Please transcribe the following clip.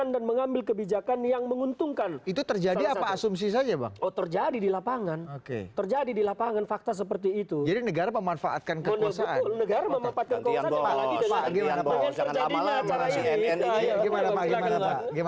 dengan enam orang